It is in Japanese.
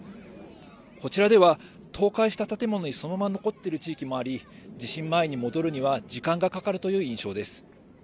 こちらでは倒壊した建物にそのまま残っている地域もあり地震前に戻るには時間がかかるという印象です。